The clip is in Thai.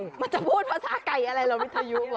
มันจะพูดภาษาไก่อะไรล่ะวิทยุไง